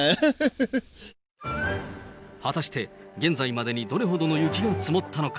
果たして、現在までにどれほどの雪が積もったのか。